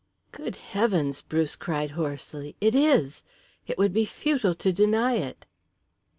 "Good heavens," Bruce cried hoarsely, "it is. It would be futile to deny it."